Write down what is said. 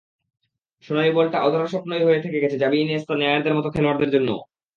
সোনালি বলটা অধরা স্বপ্নই হয়ে থেকে গেছে জাভি-ইনিয়েস্তা-ন্যয়ারদের মতো খেলোয়াড়দের জন্যও।